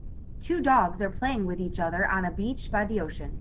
Two dogs are playing with each other on a beach by the ocean.